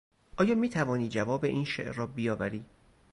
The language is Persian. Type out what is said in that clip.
آیا میتوانی جواب این شعر را بیاوری؟